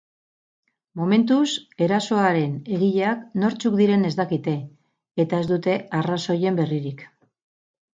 Momentuz erasoaren egileak nortzuk diren ez dakite eta ez dute arrazoien berririk.